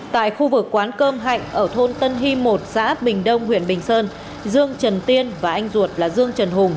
tại khu vực quán cơm hạnh ở thôn tân hy một xã bình đông huyện bình sơn dương trần tiên và anh ruột là dương trần hùng